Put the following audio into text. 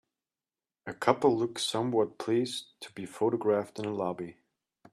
A couple looks somewhat pleased to be photographed in a lobby.